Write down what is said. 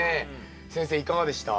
先生いかがでした？